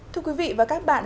thưa quý vị và các bạn